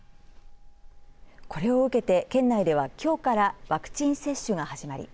これを受けて県内では今日からワクチン接種が始まり